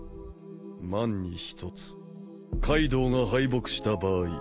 ・万に一つカイドウが敗北した場合。